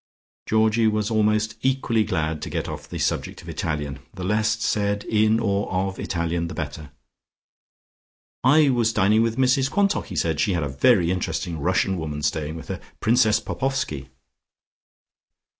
Georgie was almost equally glad to get off the subject of Italian. The less said in or of Italian the better. "I was dining with Mrs Quantock," he said. "She had a very interesting Russian woman staying with her, Princess Popoffski."